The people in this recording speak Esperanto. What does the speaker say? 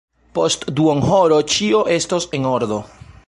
Post duonhoro ĉio estos en ordo.